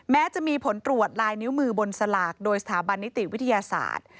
แม้จะมีผลตรวจลายนิ้วมือบนสลากโดยสถาบันนิติวิทยาศาสตร์